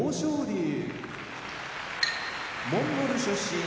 龍モンゴル出身